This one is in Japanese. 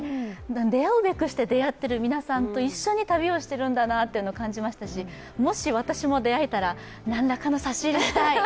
出会うべくしてであってる皆さんと一緒に旅をしているんだなと感じましたしもし私も出会えたら、何らかの差し入れをしたい。